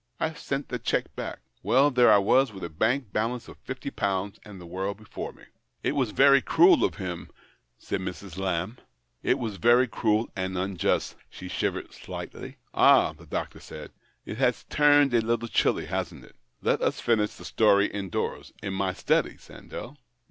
I sent the cheque back. "Well, there I was with a bank balance of fifty pounds and the world before me." " It was very cruel of him," said Mrs. Lamb. 80 THE OCTAVE OF CLAUDIUS. " It was very cruel and unjust." She shivered slightly. " Ah," the doctor said, " it has turned a little chilly, hasn't it? Let us finish the story indoors — in my study, Sandell.